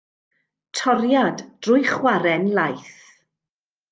Toriad drwy chwarren laeth.